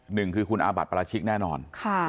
หนึ่งคือคุณอาบัติปราชิกแน่นอน